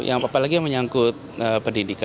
apalagi yang menyangkut pendidikan